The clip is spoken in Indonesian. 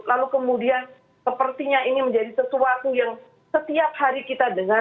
lalu kemudian sepertinya ini menjadi sesuatu yang setiap hari kita dengar